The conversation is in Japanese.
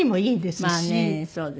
そうですね。